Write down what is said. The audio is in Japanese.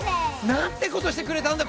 何てことしてくれたんだ